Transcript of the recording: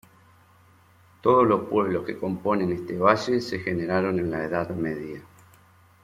Todos los pueblos que componen este valle se generaron en la Edad Media.